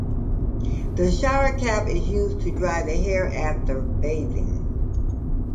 The shower cap is used to dry the hair after bathing.